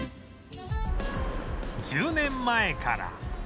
１０年前から